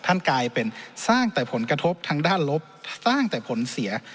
กลายเป็นสร้างแต่ผลกระทบทางด้านลบสร้างแต่ผลเสีย